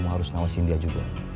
kamu harus nawasin dia juga